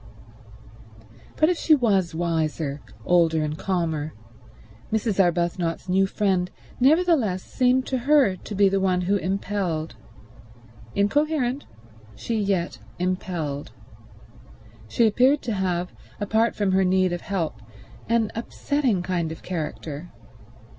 But if she was wiser, older and calmer, Mrs. Arbuthnot's new friend nevertheless seemed to her to be the one who impelled. Incoherent, she yet impelled. She appeared to have, apart from her need of help, an upsetting kind of character.